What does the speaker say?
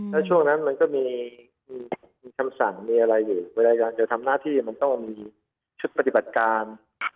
แล้วช่วงนั้นมันก็มีคำสั่งมีอะไรอยู่เวลาจะทำหน้าที่มันต้องมีชุดปฏิบัติการ